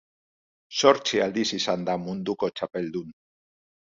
Zortzi aldiz izan da munduko txapeldun.